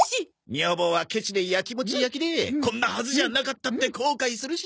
女房はケチでやきもち焼きでこんなはずじゃなかったって後悔するし。